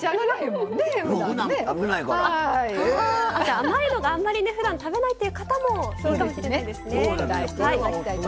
甘いのがあまりふだん食べないという方もいいかもしれないですね。